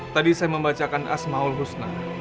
tadi saya membacakan asmaul husna